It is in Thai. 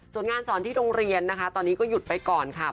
ส่วนงานสอนที่โรงเรียนนะคะตอนนี้ก็หยุดไปก่อนค่ะ